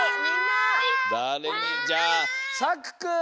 だれにじゃあさくくん！